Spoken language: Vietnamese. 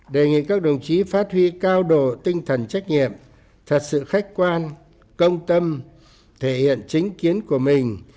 đề nghị các đồng chí phát huy cao độ tinh thần trách nhiệm thật sự khách quan công tâm thể hiện chính kiến của mình